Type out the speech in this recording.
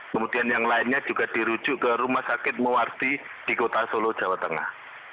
kemudian yang lainnya juga dirujuk ke rumah sakit muarti di kota solo jawa tengah